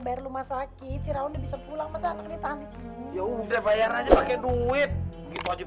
bayar rumah sakit si raun bisa pulang masa kita di sini ya udah bayar aja pakai duit gitu aja